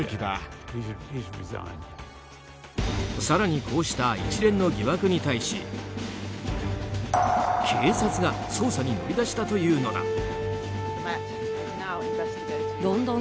更にこうした一連の疑惑に対し警察が捜査に乗り出したというのだ。